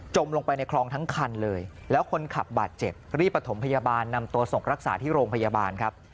ลงไปในคลองทั้งคันเลยแล้วคนขับบาดเจ็บรีบประถมพยาบาลนำตัวส่งรักษาที่โรงพยาบาลครับ